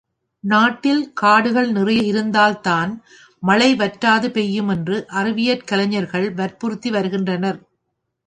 நாட்டில் காடுகள் நிறைய இருந்தால்தான் மழைவற்றாது பெய்யும் என்று அறிவியற்கலைஞர்கள் வற்புறுத்தி வருகின்றனர்.